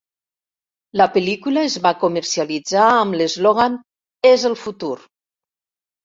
La pel·lícula es va comercialitzar amb l'eslògan "És el futur".